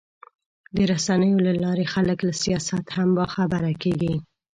د رسنیو له لارې خلک له سیاست هم باخبره کېږي.